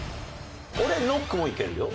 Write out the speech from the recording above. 俺ノックもいけるよ。